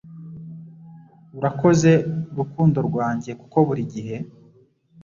Urakoze rukundo rwanjye kuko buri gihe